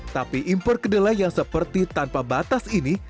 tapi impor kedelai yang seperti tanpa batas ini